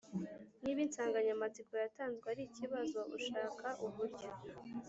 Niba insanganyamatsiko yatanzwe ari ikibazo, ushaka uburyo